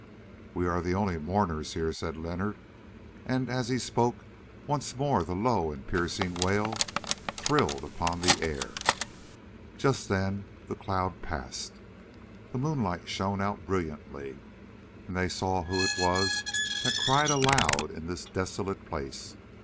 "We are the only mourners here," said Leonard, and as he spoke once more the low and piercing wail thrilled upon the air. Just then the cloud passed, the moonlight shone out brilliantly, and they saw who it was that cried aloud in this desolate place.